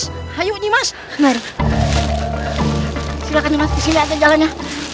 silahkan nyimas disini aja jalannya